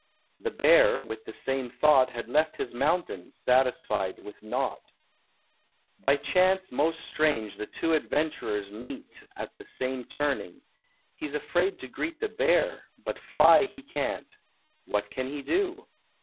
The Bear, with the same thought, Had left his mountain, satisfied with nought. By chance most strange the two adventurers meet At the same turning. He's afraid to greet The Bear; but fly he can't. What can he do?